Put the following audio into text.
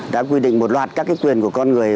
đã quy định một loạt các quyền của con người